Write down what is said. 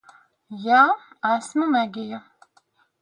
Jā. Esmu Megija.